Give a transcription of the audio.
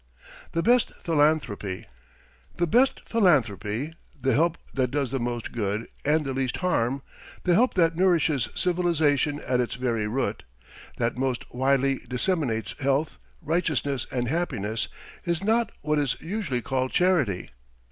THE BEST PHILANTHROPY The best philanthropy, the help that does the most good and the least harm, the help that nourishes civilization at its very root, that most widely disseminates health, righteousness, and happiness, is not what is usually called charity.